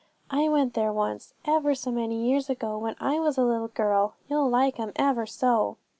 'I went there once, ever so many years ago, when I was a little girl. You'll like 'em ever so!'